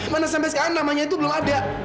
mana sampai sekarang namanya itu belum ada